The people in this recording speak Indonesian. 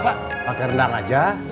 pak pakai rendang aja